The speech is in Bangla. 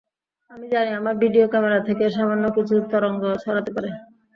আমি জানি, আমার ভিডিও ক্যামেরা থেকে সামান্য কিছু তরঙ্গ ছড়াতে পারে।